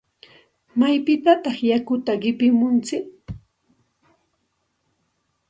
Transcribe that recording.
¿Maypitataq yakuta qipimuntsik?